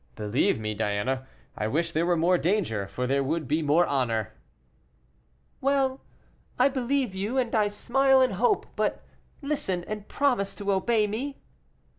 Believe me, Diana, I wish there were more danger, for there would be more honor." "Well, I believe you, and I smile and hope; but listen, and promise to obey me."